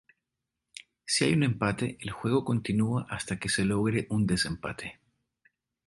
Si hay un empate el juego continua hasta que se logre un desempate.